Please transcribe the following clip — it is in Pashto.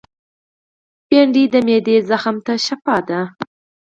بېنډۍ د معدې زخم ته شفاء ده